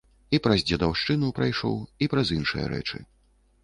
І праз дзедаўшчыну прайшоў, і праз іншыя рэчы.